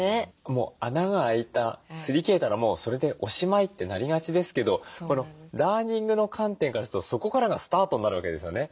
もう穴が開いたすり切れたらもうそれでおしまいってなりがちですけどこのダーニングの観点からするとそこからがスタートになるわけですよね。